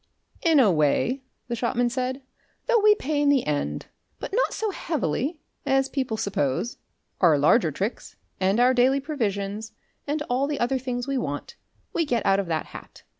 "In a way," the shopman said. "Though we pay in the end. But not so heavily as people suppose.... Our larger tricks, and our daily provisions and all the other things we want, we get out of that hat...